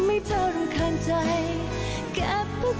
เดี๋ยวร้อนกันไปนิดหนึ่ง